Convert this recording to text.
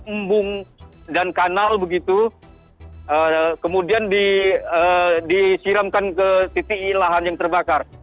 embung dan kanal begitu kemudian disiramkan ke titik lahan yang terbakar